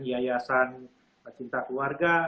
yayasan cinta keluarga